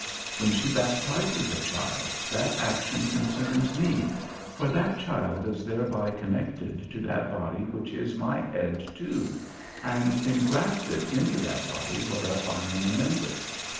When she baptizes a child, that action concerns me; for that child is thereby connected to that body which is my head too, and ingrafted into that body whereof I am a member.